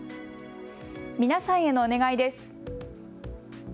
皆さんへのお願いです。